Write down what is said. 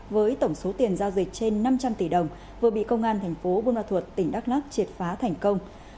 với tổng số tiền giao dịch trên năm trăm linh tỷ đồng vừa bị công an tp bôn hoa thuật tỉnh đắk lắc triệt phá thành công